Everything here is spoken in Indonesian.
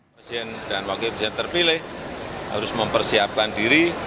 presiden dan wakil presiden terpilih harus mempersiapkan diri